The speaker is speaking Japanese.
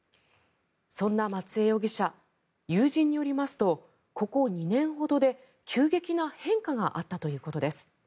そんな松江容疑者友人によりますとここ２年ほどで急激な変化があったということです。